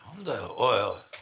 おい！